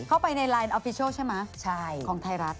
เข้าไปในไลน์ออฟฟิชัลใช่ไหมของไทยรัฐ